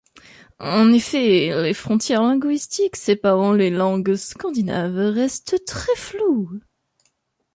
En effet, les frontières linguistiques séparant les langues scandinaves restent très floues.